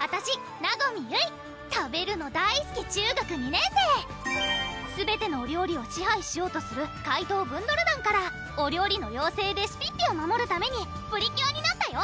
あたし和実ゆい食べるの大すき中学２年生すべてのお料理を支配しようとする怪盗ブンドル団からお料理の妖精・レシピッピを守るためにプリキュアになったよ